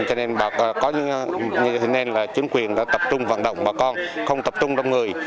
cho nên chính quyền đã tập trung vận động bà con không tập trung đông người